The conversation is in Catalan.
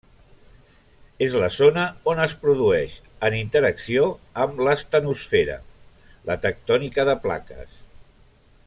És la zona on es produeix, en interacció amb l'astenosfera, la tectònica de plaques.